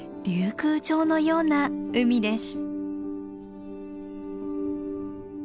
宮城のような海です。